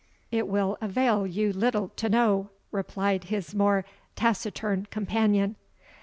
"It will avail you little to know," replied his more taciturn companion.